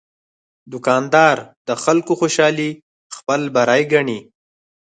دوکاندار د خلکو خوشالي خپل بری ګڼي.